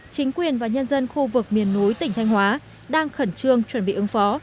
chính quyền và nhân dân khu vực miền núi tỉnh thanh hóa đang khẩn trương chuẩn bị ứng phó